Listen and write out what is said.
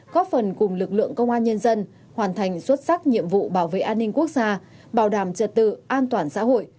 góp phần cùng lực lượng công an nhân dân hoàn thành xuất sắc nhiệm vụ bảo vệ an ninh quốc gia bảo đảm trật tự an toàn xã hội